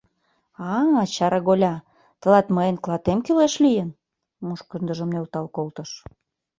— А-а, чараголя, тылат мыйын клатем кӱлеш лийын! — мушкындыжым нӧлтал колтыш.